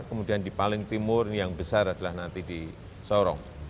kemudian di paling timur yang besar adalah nanti di sorong